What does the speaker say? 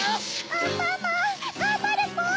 アンパンマンがんばるポ！